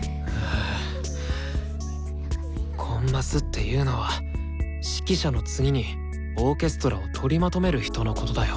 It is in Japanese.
はぁコンマスっていうのは指揮者の次にオーケストラを取りまとめる人のことだよ。